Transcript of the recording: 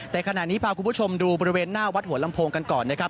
แต่ขณะนี้พาคุณผู้ชมดูบริเวณหน้าวัดหัวลำโพงกันก่อนนะครับ